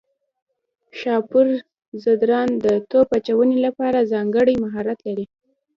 شاپور ځدراڼ د توپ اچونې لپاره ځانګړی مهارت لري.